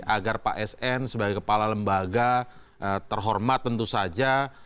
agar pak sn sebagai kepala lembaga terhormat tentu saja